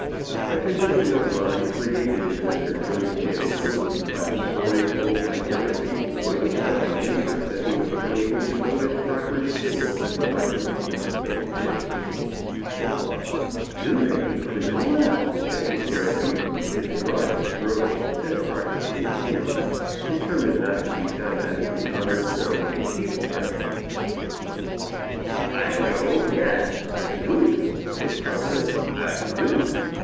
The condition of mind created in Mr. Jerningham's bosom by the story told by Geraghty was of such a nature that he was unable to notice Crocker's sin in reference to the ten minutes. "Dchuca di Crinola!" shouted Geraghty in his broadest brogue as Crocker came in; determined not to be done out of the honour fairly achieved by him. "By Jove, yes! A Duke," said Crocker. "A Duke!